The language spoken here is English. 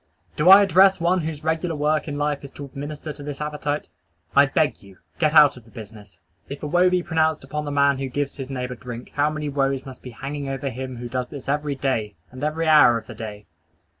Do I address one whose regular work in life is to administer to this appetite? I beg you get out of the business. If a woe be pronounced upon the man who gives his neighbor drink, how many woes must be hanging over the man who does this every day, and every hour of the day!